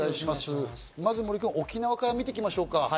まず沖縄から見ていきましょうか。